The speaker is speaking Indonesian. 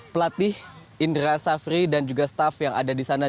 pelatih indra safri dan juga staff yang ada di sana